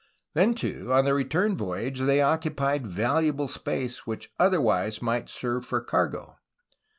Then, too, on the return voyage they occupied valuable space which otherwise might serve for cargo